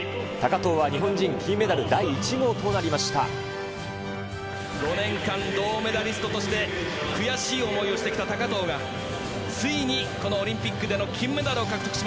高藤は日本人金メダル第１号とな５年間銅メダリストとして悔しい思いをしてきた高藤が、ついにこのオリンピックでの金メ